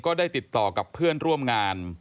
ได้ติดต่อกับเพื่อนร่วมงาน